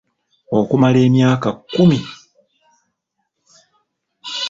Okumala emyaka kkumi.